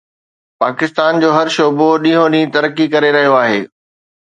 پاڪستان جو هر شعبو ڏينهون ڏينهن ترقي ڪري رهيو آهي